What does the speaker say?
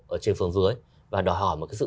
ở trên phương dưới và đòi hỏi một cái sự